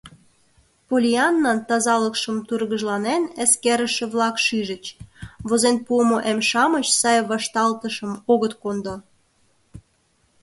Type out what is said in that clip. Поллианнан тазалыкшым тургыжланен эскерыше-влак шижыч: возен пуымо эм-шамыч сай вашталтышым огыт кондо.